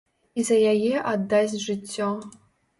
І за яе аддасць жыццё.